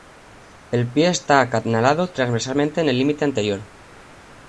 El pie está acanalado transversalmente en el límite anterior.